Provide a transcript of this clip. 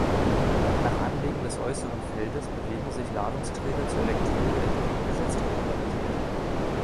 Nach Anlegen des äußeren Feldes bewegen sich Ladungsträger zur Elektrode entgegengesetzter Polarität.